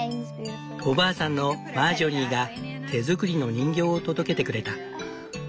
おばあさんのマージョリーが手作りの人形を届けてくれた。